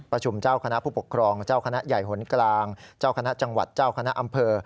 เจ้าคณะผู้ปกครองเจ้าคณะใหญ่หนกลางเจ้าคณะจังหวัดเจ้าคณะอำเภอ